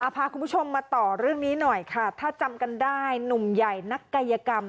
พาคุณผู้ชมมาต่อเรื่องนี้หน่อยค่ะถ้าจำกันได้หนุ่มใหญ่นักกายกรรม